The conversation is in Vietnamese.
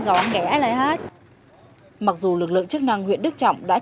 mặc dù lực lượng chức năng huyện đức trọng đã triển khai nhiều đợt gia quân giải tỏa các quy định của nhà nước